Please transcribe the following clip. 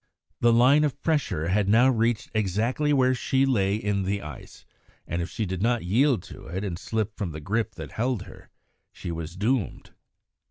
The line of pressure had now reached exactly where she lay in the ice, and if she did not yield to it and slip from the grip that held her, she was doomed.